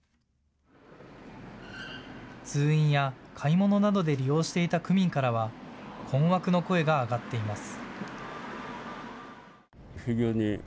通院や買い物などで利用していた区民からは困惑の声が上がっています。